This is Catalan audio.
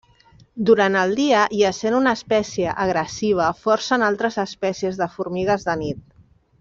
Durant el dia i, essent una espècie agressiva, forcen altres espècies de formigues de nit.